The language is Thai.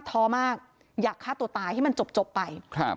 ท้อมากอยากฆ่าตัวตายให้มันจบไป